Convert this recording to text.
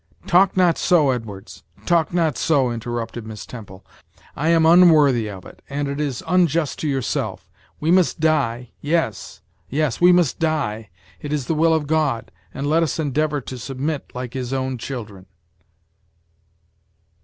"Talk not so, Edwards; talk not so," interrupted Miss Temple. "I am unworthy of it, and it is unjust to your self. We must die; yes yes we must die it is the will of God, and let us endeavor to submit like his own children."